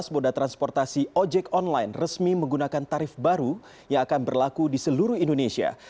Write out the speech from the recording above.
boda transportasi ojek online resmi menggunakan tarif baru yang akan berlaku di seluruh indonesia